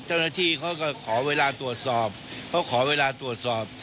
เจ้าหน้าที่เขาก็ขอเวลาตรวจสอบเขาขอเวลาตรวจสอบ